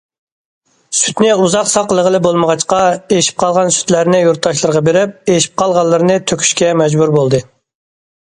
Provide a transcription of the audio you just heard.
سۈتنى ئۇزاق ساقلىغىلى بولمىغاچقا، ئېشىپ قالغان سۈتلەرنى يۇرتداشلىرىغا بېرىپ، ئېشىپ قالغانلىرىنى تۆكۈشكە مەجبۇر بولدى.